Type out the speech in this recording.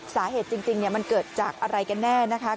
สาเหตุจริงมันเกิดจากอะไรกันแน่นะคะ